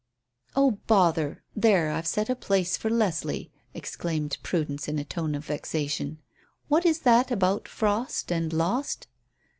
'" "Oh, bother there, I've set a place for Leslie," exclaimed Prudence in a tone of vexation. "What is that about 'frost' and 'lost'?"